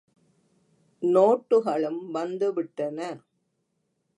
நோட்டுகளும் வந்து விட்டன.